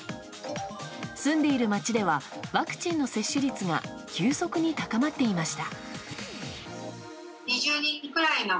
住んでいる町ではワクチンの接種率が急速に高まっていました。